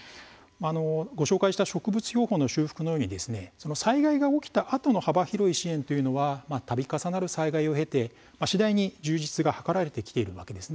ご紹介した植物標本の修復のように災害が起きたあとの幅広い支援というのは度重なる災害を経て次第に充実が図られてきているわけです。